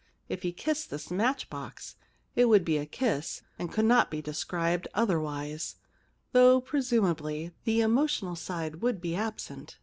If he kissed this match box, it would be a kiss and could not be described otherwise, although presumably the emotional side would be absent.